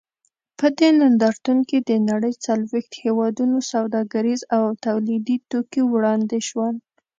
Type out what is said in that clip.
په دې نندارتون کې د نړۍ څلوېښتو هېوادونو سوداګریز او تولیدي توکي وړاندې شول.